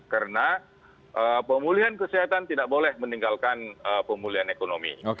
karena pemulihan kesehatan tidak boleh meninggalkan pemulihan ekonomi